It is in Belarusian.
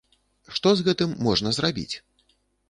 Што з гэтым можна зрабіць?